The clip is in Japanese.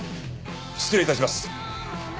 失礼致します。